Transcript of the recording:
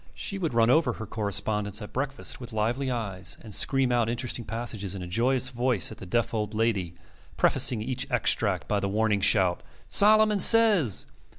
She would run over her correspondence, at breakfast, with lively eyes, and scream out interesting passages in a joyous voice at the deaf old lady, prefacing each extract by the warning shout, "Solomon says!"